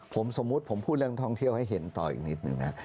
ผมสมมุติผมพูดเรื่องท่องเที่ยวให้เห็นต่ออีกนิดนึงนะ